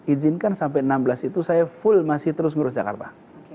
izinkan sampai enam belas itu saya full masih terus ngurus jakarta